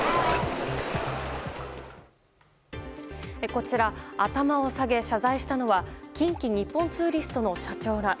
こちら、頭を下げ謝罪したのは近畿日本ツーリストの社長ら。